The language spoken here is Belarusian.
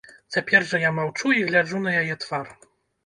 Цяпер жа я маўчу і гляджу на яе твар.